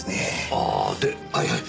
ああではいはい。